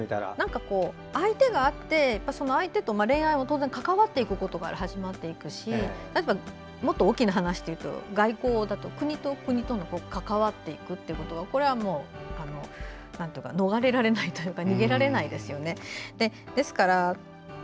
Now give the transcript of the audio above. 相手があって、相手と恋愛も当然関わっていくことから始まっていくしもっと大きな話で言うと外交、国と国と関わっていくことこれは逃れられないというか逃げられないですね。